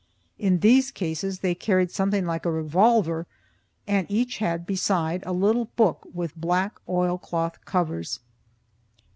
In these cases they carried something like a revolver, and each had, besides, a little book with black oilcloth covers.